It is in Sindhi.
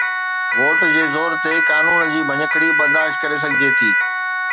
ووٽ جي زور تي قانون جي ڀڃڪڙي برداشت ڪري سگهجي ٿي.